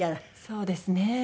そうですね。